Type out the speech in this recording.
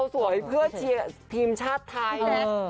สวยเพื่อเชียร์ทีมชาติไทยนะ